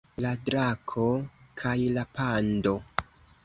La drako kaj la pando